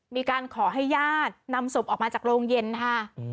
มีการขอให้ญาตินำศพออกมาจากโรงเย็นค่ะ